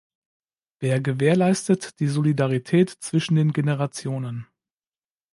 Wer gewährleistet die Solidarität zwischen den Generationen?